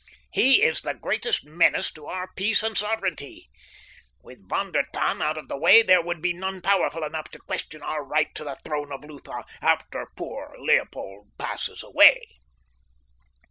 "He is the greatest menace to our peace and sovereignty. With Von der Tann out of the way there would be none powerful enough to question our right to the throne of Lutha—after poor Leopold passes away."